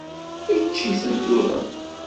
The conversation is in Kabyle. Ečč-iten, tura!